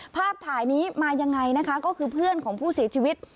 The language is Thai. ภาพถ่ายนี้มายังไงนะคะก็คือเพื่อนของผู้เสียชีวิต